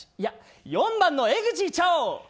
いや４番の江口いっちゃおう。